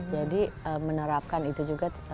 jadi menerapkan itu juga